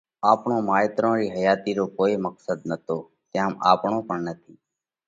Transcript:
آپڻون مائيترون رِي حياتِي رو پڻ ڪوئي مقصڌ نتو تيام آپڻو پڻ نٿِي۔